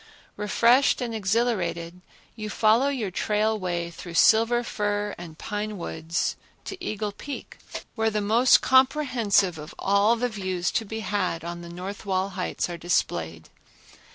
Refreshed and exhilarated, you follow your trail way through silver fir and pine woods to Eagle Peak, where the most comprehensive of all the views to be had on the north wall heights are displayed.